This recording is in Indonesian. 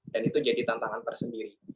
dan itu jadi tantangan tersendiri